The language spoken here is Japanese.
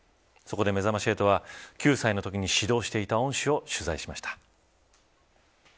そこで、めざまし８は９歳のときに指導していた恩師を取材しました。